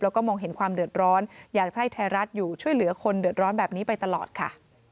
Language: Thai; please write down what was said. แล้วก็มองเห็นความเดือดร้อนอยากให้ไทยรัฐอยู่ช่วยเหลือคนเดือดร้อนแบบนี้ไปตลอดค่ะ